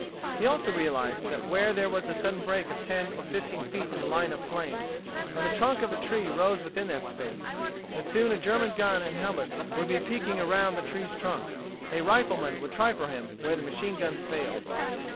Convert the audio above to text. He also realized that where there was a sudden break of ten or fifteen feet in the line of flame, and the trunk of a tree rose within that space, that soon a German gun and helmet would me peeking around the tree's trunk. A rifleman would try for him where the machine guns failed.